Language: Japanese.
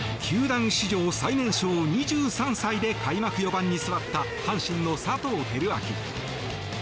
球団史上最年少２３歳で開幕４番に座った阪神の佐藤輝明。